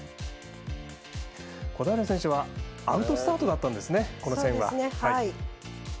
小平選手はアウトスタートだったんですね。